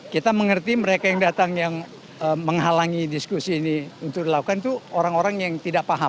kita mengerti mereka yang datang yang menghalangi diskusi ini untuk dilakukan itu orang orang yang tidak paham